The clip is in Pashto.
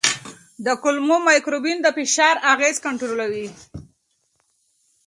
کولمو مایکروبیوم د فشار اغېزه کنټرولوي.